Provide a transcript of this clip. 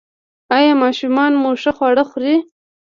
ایا ماشومان مو ښه خواړه خوري؟